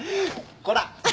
こら。